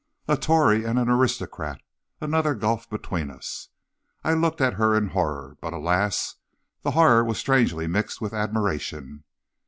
"A tory and an aristocrat! Another gulf between us. I looked at her in horror, but, alas! the horror was strangely mixed with admiration.